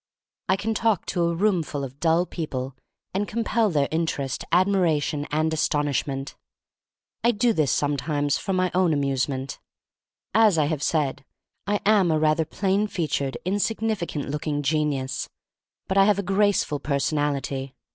I can talk to a roomful of dull people and compel their interest, ad miration, and astonishment. I do this sometimes for my own amusement. As I have said, I am a rather plain featured, insignificant looking genius, but I have a graceful personality.